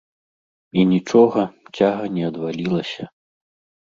І нічога, цяга не адвалілася.